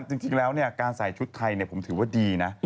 จริงแล้วเนี่ยการใส่ชุดไทยเนี่ยผมถือว่าดีนะ